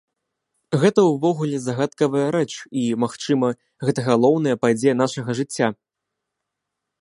Гэта ўвогуле загадкавая рэч, і, магчыма, гэта галоўная падзея нашага жыцця.